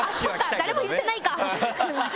誰も言ってないか。